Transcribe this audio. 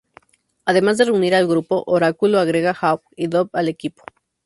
Además de reunir al grupo, Oráculo agrega Hawk y Dove al equipo.